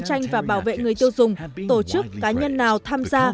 tổ chức cạnh tranh và bảo vệ người tiêu dùng tổ chức cá nhân nào tham gia